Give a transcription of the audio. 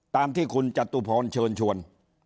ตามที่คุณจตุพรเชิญชวน